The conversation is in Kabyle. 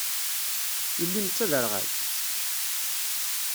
Yelli-m d taderɣalt?